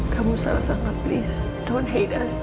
kamu salah sama please